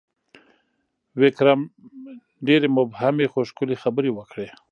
ویکرم ډېرې مبهمې، خو ښکلي خبرې وکړې: